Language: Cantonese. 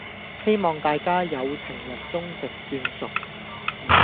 希望大家「有情人終成眷屬」